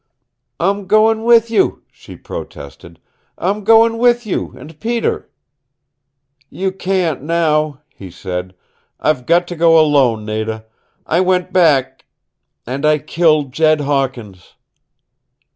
"I'm goin' with you," she protested. "I'm goin' with you and Peter!" "You can't now," he said. "I've got to go alone, Nada. I went back and I killed Jed Hawkins."